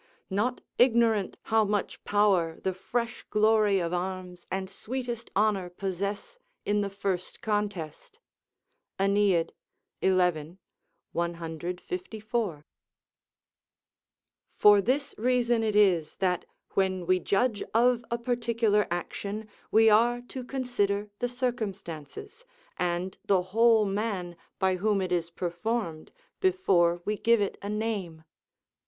["Not ignorant how much power the fresh glory of arms and sweetest honour possess in the first contest." AEneid, xi. 154] For this reason it is that, when we judge of a particular action, we are to consider the circumstances, and the whole man by whom it is performed, before we give it a name.